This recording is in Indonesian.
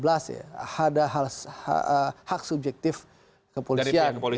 ada hak subjektif kepolisian